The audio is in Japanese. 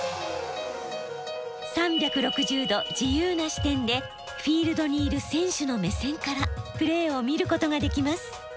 ３６０度自由な視点でフィールドにいる選手の目線からプレーを見ることができます。